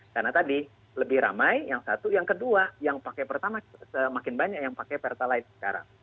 karena tadi lebih ramai yang satu yang kedua yang pakai pertamax semakin banyak yang pakai pertalite sekarang